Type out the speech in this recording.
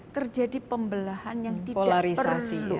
terjadi pembelahan yang tidak berhasil